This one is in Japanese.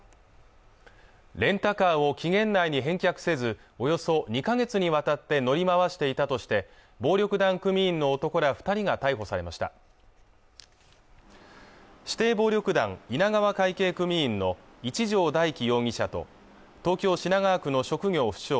レンタカーを期限内に返却せずおよそ２か月にわたって乗り回していたとして暴力団組員の男ら二人が逮捕されました指定暴力団稲川会系組員の一條大樹容疑者と東京品川区の職業不詳